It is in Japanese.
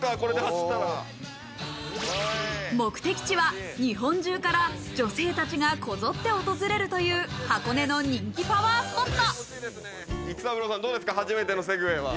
目的地は日本中から女性たちがこぞって訪れるという箱根の人気パワースポット。